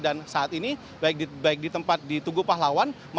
dan saat ini baik di tempat di tugu pahlawan